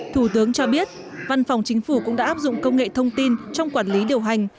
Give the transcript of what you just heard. thủ tướng cho biết văn phòng chính phủ cũng đã áp dụng công nghệ thông tin trong quản lý điều hành